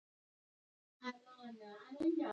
د انارو پوستکي د رنګ لپاره پلورل کیږي؟